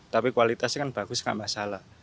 tapi kualitasnya kan bagus nggak masalah